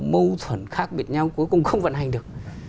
mâu thuẫn khác biệt nhau cuối cùng không vận hành được